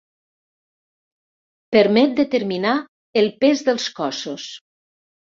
Permet determinar el pes dels cossos.